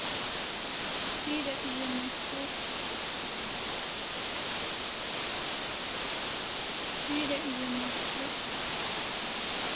Suirak ze mastruk